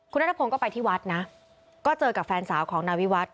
คุณนัทพงศ์ก็ไปที่วัดนะก็เจอกับแฟนสาวของนายวิวัตร